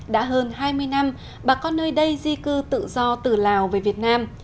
đã hơn hai mươi năm bà con nơi đây di cư tự do từ lào về việt nam